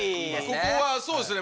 ここはそうですね